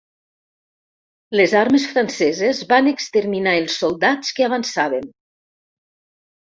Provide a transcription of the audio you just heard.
Les armes franceses van exterminar els soldats que avançaven.